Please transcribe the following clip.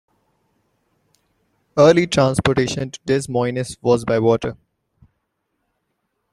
Early transportation to Des Moines was by water.